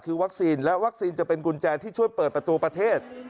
คือวัคซีนและวัคซีนจะเป็นกุญแจที่ช่วยเปิดประตูประเทศ